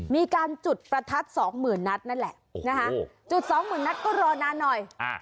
มีการจุดประทัดสองหมื่นนัดนั่นแหละนะคะจุดสองหมื่นนัดก็รอนานหน่อย